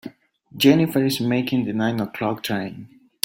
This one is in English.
Jennifer is making the nine o'clock train.